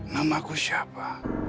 nama aku siapa